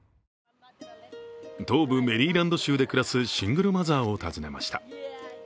東部メリーランド州で暮らすシングルマザーを訪ねました。